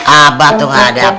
abah tuh hadap